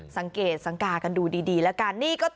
สังเกตสังกากันดูดีแล้วกันนี่ก็ตอนนี้